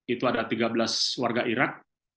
itu ada tiga belas warga irak